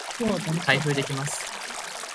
開封できます